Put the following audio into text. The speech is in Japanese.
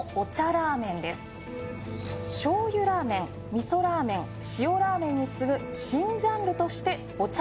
ラーメンです醤油ラーメンみそラーメン塩ラーメンに次ぐ新ジャンルとしてお茶